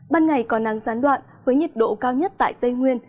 ban ngày có nắng gián đoạn với nhiệt độ cao nhất tại tây nguyên